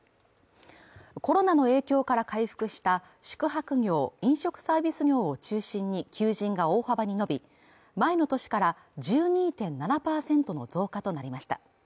コロナの影響から回復した宿泊業・飲食サービス業を中心に求人が大幅に伸び前の年から１２．７％の増加となりました